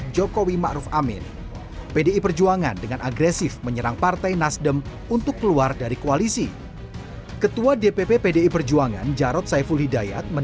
jokowi dodo tidak menampik akan berlaku reshuffle